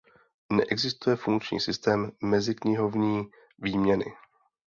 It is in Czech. Neexistuje funkční systém meziknihovní výměny.